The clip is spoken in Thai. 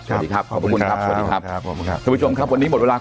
สวัสดีครับขอบพระคุณครับสวัสดีครับ